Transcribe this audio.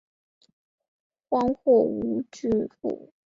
荒或无民户。